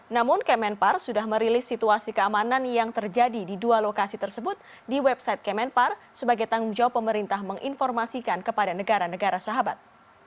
namun kemenpar sudah merilis situasi keamanan yang terjadi di dua lokasi tersebut di website kemenpar sebagai tanggung jawab pemerintah menginformasikan kepada negara negara sahabat